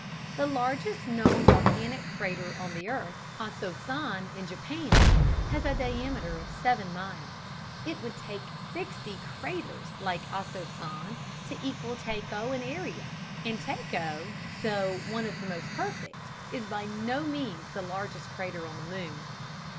The largest known volcanic crater on the earth, Aso San, in Japan, has a diameter of seven miles; it would take sixty craters like Aso San to equal Tycho in area! And Tycho, though one of the most perfect, is by no means the largest crater on the moon.